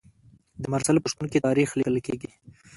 د مرسل په شتون کې تاریخ لیکل کیږي.